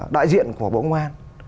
đại diện của bộ công an